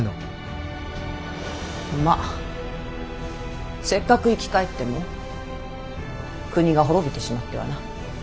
まぁせっかく生き返っても国が滅びてしまってはな。